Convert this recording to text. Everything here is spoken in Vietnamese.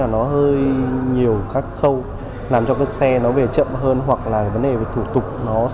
nó hơi nhiều các khâu làm cho các xe nó về chậm hơn hoặc là vấn đề về thủ tục nó sẽ